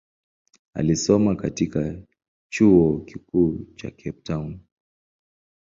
Alisoma katika chuo kikuu cha Cape Town.